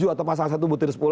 atau pasal satu butir sepuluh